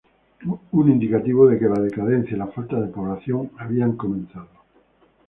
Un indicativo de que la decadencia y la falta de población habían comenzado.